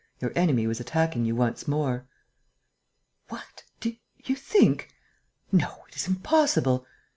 Your enemy was attacking you once more." "What!... Do you think?... No, it is impossible....